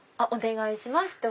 お願いします！